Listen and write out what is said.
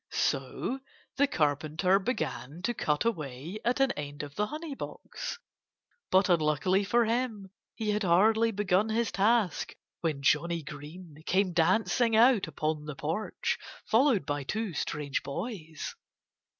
So the Carpenter began to cut away at an end of the honey box. But unluckily for him, he had hardly begun his task when Johnnie Green came dancing out upon the porch, followed by two strange boys.